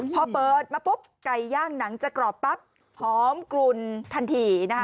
พอเปิดมาปุ๊บไก่ย่างหนังจะกรอบปั๊บหอมกลุนทันที